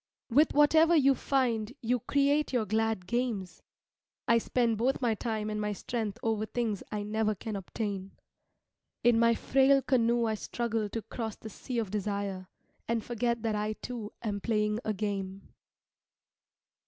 With whatever you find you create your glad games, I spend both my time and my strength over things I never can obtain. In my frail canoe I struggle to cross the sea of desire, and forget that I too am playing a game.